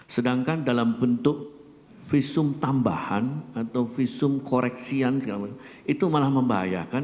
sedangkan dalam bentuk visum tambahan atau visum koreksian segala macam itu malah membahayakan